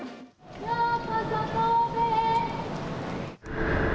ようこそ神戸へ。